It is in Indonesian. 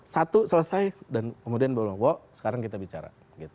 satu selesai dan kemudian pak prabowo wah sekarang kita bicara